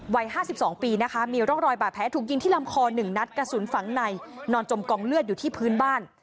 วัย๕๒ปีนะคะมีร่องรอยบาดแผลถูกยิงที่ลำคอ๑นัดกระสุนฝังในนอนจมกองเลือดอยู่ที่พื้นบ้าน